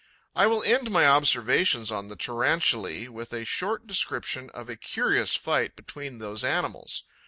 'I will end my observations on the Tarantulae with a short description of a curious fight between those animals.